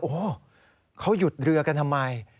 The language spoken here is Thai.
โอ้โหเขาหยุดเรือกันทำไม